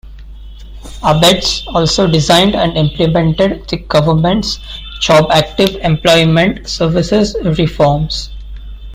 Abetz also designed and implemented the Government's Jobactive Employment Services Reforms.